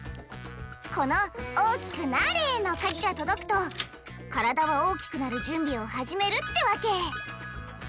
この大きくなれのカギがとどくとカラダは大きくなるじゅんびをはじめるってわけ。